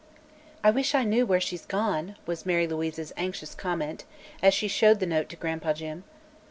"I wish I knew where she's gone," was Mary Louise's anxious comment, as she showed the note to Gran'pa Jim.